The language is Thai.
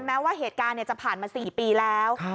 แม้ว่าเหตุการณ์จะผ่านมา๔ปีแล้ว